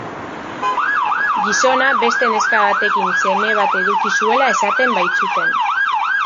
Gizona beste neska batekin seme bat eduki zuela esaten baitzuten.